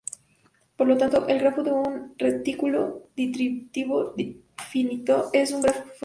Por lo tanto, el grafo de un retículo distributivo finito es un grafo mediano.